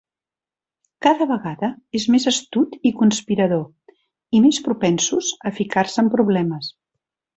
Cada vegada és més astut i conspirador, i més propensos a ficar-se en problemes.